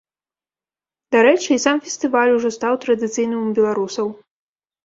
Дарэчы, і сам фестываль ужо стаў традыцыйным у беларусаў.